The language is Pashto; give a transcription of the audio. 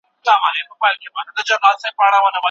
ارواپوهنه هغه علم دی چي ذهني جریانونه ګوري.